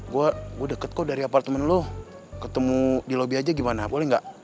gue deket kok dari apartemen lu ketemu di lobby aja gimana boleh gak